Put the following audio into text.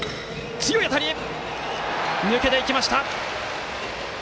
強い当たりが抜けていきました！